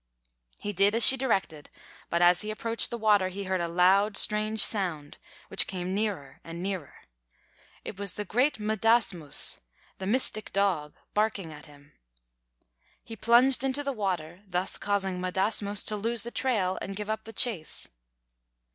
He did as she directed; but as he approached the water, he heard a loud, strange sound, which came nearer and nearer. It was the great M'dāsmūs, the mystic dog, barking at him. He plunged into the water, thus causing M'dāsmūs to lose the trail and give up the chase.